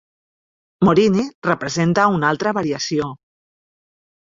"Morini" representa una altra variació.